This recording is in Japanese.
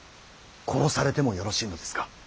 殺されてもよろしいのですか。